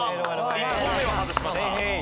１本目は外しました。